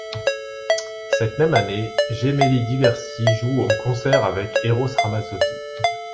Cette même année, Gemelli DiVersi joue en concert avec Eros Ramazzotti.